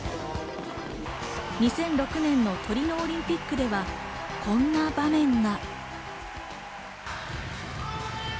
２００６年のトリノオリンピックではこんな場面が。